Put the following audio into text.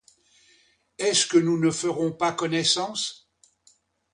Est-ce que nous ne ferons pas connaissance?